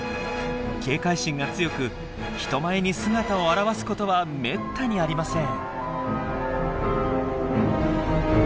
警戒心が強く人前に姿を現すことはめったにありません。